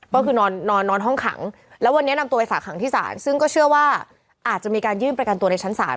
ก็คือนอนนอนห้องขังแล้ววันนี้นำตัวไปฝากขังที่ศาลซึ่งก็เชื่อว่าอาจจะมีการยื่นประกันตัวในชั้นศาล